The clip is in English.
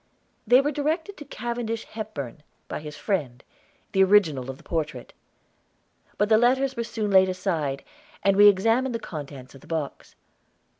They were directed to Cavendish Hepburn, by his friend, the original of the portrait. But the letters were soon laid aside, and we examined the contents of the box.